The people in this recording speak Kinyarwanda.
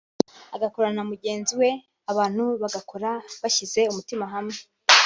agakorana na mugenzi we; abantu bagakora bashyize umutima hamwe